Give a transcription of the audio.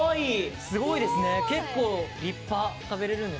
すごいですね結構立派食べれるんですか？